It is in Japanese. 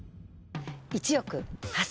１億８，０００万円。